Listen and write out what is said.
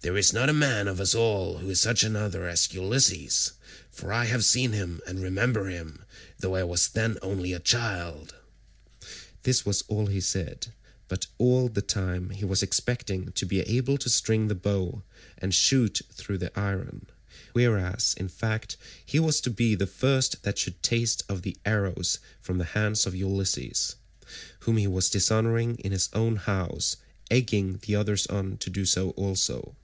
There is not a man of us all who is such another as Ulysses; for I have seen him and remember him, though I was then only a child." This was what he said, but all the time he was expecting to be able to string the bow and shoot through the iron, whereas in fact he was to be the first that should taste of the arrows from the hands of Ulysses, whom he was dishonouring in his own house—egging the others on to do so also.